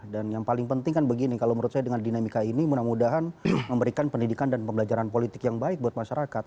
dan yang paling penting kan begini kalau menurut saya dengan dinamika ini mudah mudahan memberikan pendidikan dan pembelajaran politik yang baik buat masyarakat